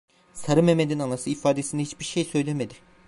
Sarı Mehmet'in anası ifadesinde hiçbir şey söylemedi.